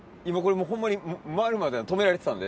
ホンマに回るまでは止められてたんで。